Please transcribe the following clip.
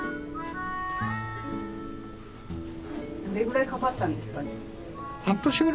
どれぐらいかかったんですか？